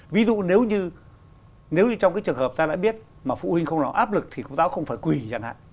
ví dụ nếu như trong cái trường hợp ta đã biết mà phụ huynh không có áp lực thì giáo không phải quỳ chẳng hạn